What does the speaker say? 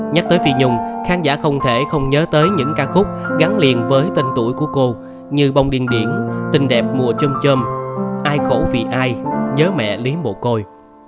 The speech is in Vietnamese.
nhắc tới phi nhung khán giả không thể không nhớ tới những ca khúc gắn liền với tên tuổi của cô như bông điền điển tình đẹp mùa chôm chôm ai khổ vì ai giớ mẹ lý bồ côi